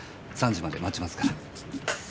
３時まで待ちますから。